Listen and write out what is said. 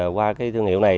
qua thương hiệu này